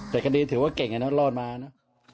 แต่กันดีถือว่าเก่งอันนั้นรอดมานะ